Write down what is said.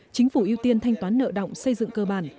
chính phủ ưu tiên thanh toán nợ động xây dựng cơ bản